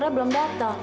dokter belum datang